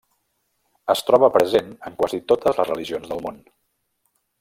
Es troba present en quasi totes les religions del món.